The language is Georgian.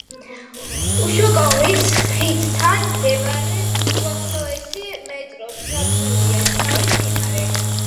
უშაკოვის ხიდთან მდებარე უახლოესი მეტრო სადგურია „შავი მდინარე“.